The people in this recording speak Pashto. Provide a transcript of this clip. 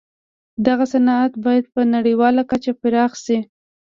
دغه صنعت بايد په نړيواله کچه پراخ شي.